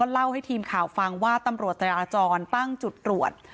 เล่าให้ทีมข่าวฟังว่าตำรวจจราจรตั้งจุดตรวจ